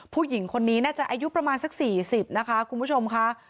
ผู้หญิงคนนี้น่าจะอายุประมาณสัก๔๐นะคะคุณผู้ชมค่ะ